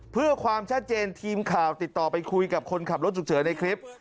เพื่อความชัดเจนทีมข่าวติดต่อไปคุยกับคนขับรถฉุกเฉินในคลิป